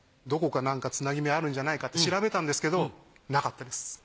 どこか何かつなぎ目があるんじゃないかって調べたんですけどなかったです。